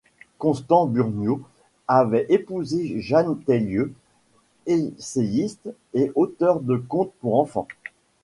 Constant Burniaux avait épousé Jeanne Taillieu, essayiste et auteur de contes pour enfants.